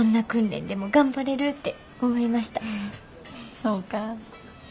そうか。